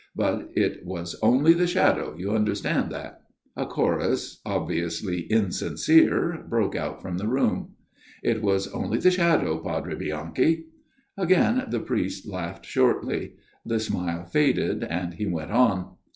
But it was only the shadow you understand that ?" A chorus, obviously insincere, broke out from the room. " It was only the shadow, Padre Bianchi." Again the priest laughed shortly ; the smile faded, and he went on.